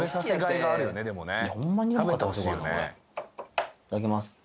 いただきます